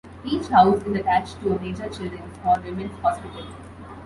Each House is attached to a major Children's or Women's hospital.